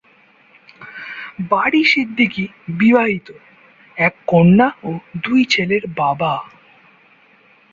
বারী সিদ্দিকী বিবাহিত, এক কন্যা ও দুই ছেলের বাবা।